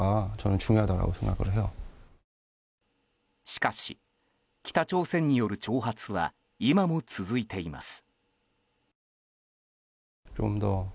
しかし、北朝鮮による挑発は今も続いています。